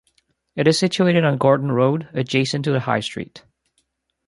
It is situated on Gordon Road adjacent to the High Street.